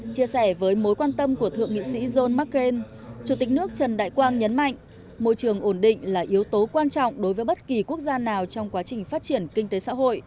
chia sẻ với mối quan tâm của thượng nghị sĩ john mccain chủ tịch nước trần đại quang nhấn mạnh môi trường ổn định là yếu tố quan trọng đối với bất kỳ quốc gia nào trong quá trình phát triển kinh tế xã hội